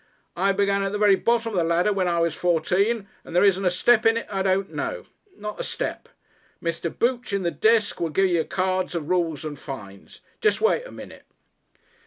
I began at the very bottom of the ladder when I was fourteen, and there isn't a step in it I don't know. Not a step. Mr. Booch in the desk will give y'r the card of rules and fines. Jest wait a minute."